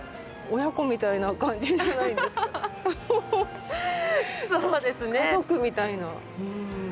親子みたいな感じじゃないんですかね。